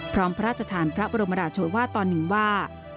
พระราชทานพระบรมราชวาสตอนหนึ่งว่า